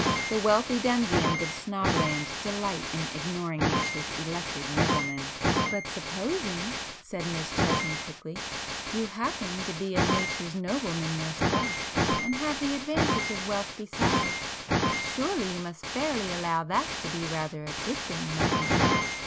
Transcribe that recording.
The wealthy denizens of Snob land delight in ignoring Nature's elected noblemen." [p 131]"But supposing" said Miss Chesney quickly, "you happen to be a Nature's nobleman yourself, and have the advantage of wealth besides, surely you must fairly allow that to be rather a good thing, mustn't you?"